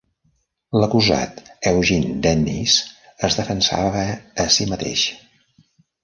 L'acusat Eugene Dennis es defensava a sí mateix.